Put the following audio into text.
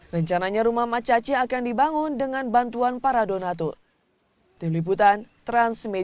rencananya rumah mak caci akan dibangun dengan bantuan para donatur